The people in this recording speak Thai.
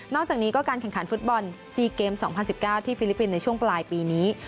จากนี้ก็การแข่งขันฟุตบอล๔เกม๒๐๑๙ที่ฟิลิปปินส์ในช่วงปลายปีนี้